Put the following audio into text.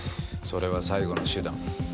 それは最後の手段。